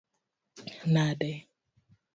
nade?